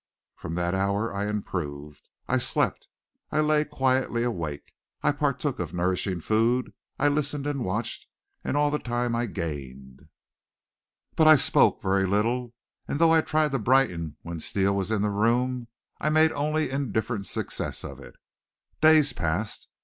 From that hour I improved. I slept, I lay quietly awake, I partook of nourishing food. I listened and watched, and all the time I gained. But I spoke very little, and though I tried to brighten when Steele was in the room I made only indifferent success of it. Days passed.